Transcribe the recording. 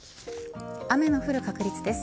雨の降る確率です。